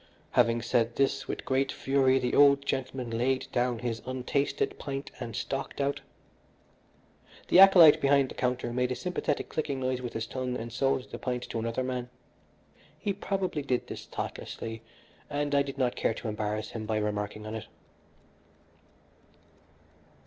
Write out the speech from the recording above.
Having said this with great fury, the old gentleman laid down his untasted pint and stalked out. The acolyte behind the counter made a sympathetic clicking noise with his tongue and sold the pint to another man. He probably did this thoughtlessly, and I did not care to embarrass him by remarking on it.